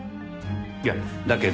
いやだけど。